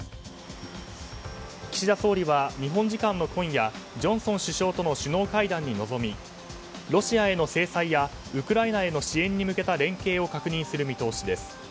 岸田総理は、日本時間の今夜ジョンソン首相との首脳会談に臨みロシアへの制裁やウクライナへの支援に向けた連携を確認する見通しです。